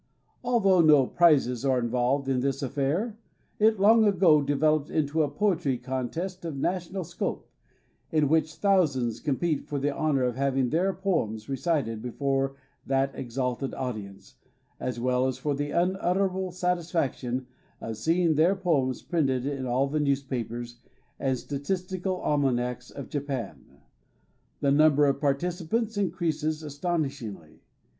Although no prizes are involved in this affair, it long ago developed into a poetry contest of national scope, in which thousands compete for the honor of having their poems recited before that exalted audience, as well as for the unutterable satisfaction of seeing their poems printed in all the newspapers and statistical almanacs of Japan. The number of participants in creases astonishingly.